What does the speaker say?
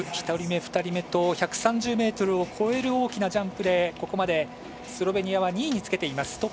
１人目、２人目と１３０ｍを越える大きなジャンプでここまでスロベニアは２位につけています。